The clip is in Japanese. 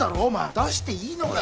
出していいのかよ？